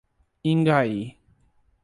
Ingaí